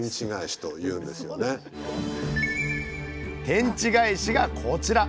「天地返し」がこちら！